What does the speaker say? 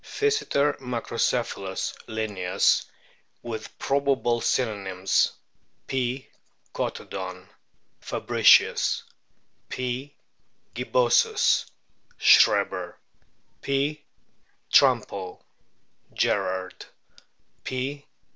Physeter macrocephalus, Linnaeus* (with probable synonyms : P. catodon, Fabricius ; P. gibbosus, Schreber ; P. trumpo, Gerard ; P.